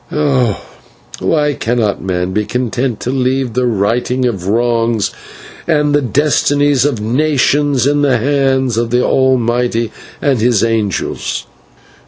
Oh! why cannot man be content to leave the righting of wrongs and the destinies of nations in the hands of the Almighty and His angels?"